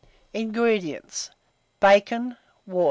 INGREDIENTS. Bacon; water.